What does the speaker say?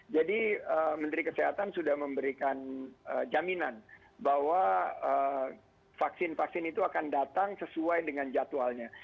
jadi menteri kesehatan sudah memberikan jaminan bahwa vaksin vaksin itu akan datang sesuai dengan jadwalnya